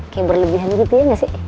kayak berlebihan gitu ya nggak sih